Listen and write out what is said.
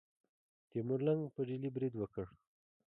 تیمور لنګ په ډیلي برید وکړ.